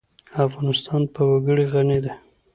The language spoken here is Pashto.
افغانستان په وګړي غني دی.